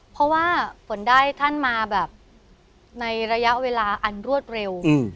เพราะว่าฝนได้ท่านมาแบบในระยะเวลาอันรวดเร็ว